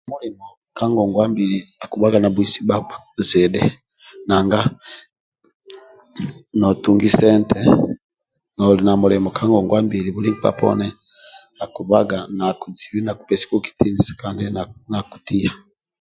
Ka ngonguwa mbili akibhaga nabhuisi bhakpa zidhi nanga nontungi sente noli na mulimo ka ngonguwa mbili nkpa poni akubhaga nakujibi nakupesi kitinisa kandi na nakutiya.